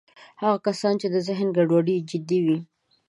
هغه کسان چې د ذهن ګډوډۍ یې جدي وي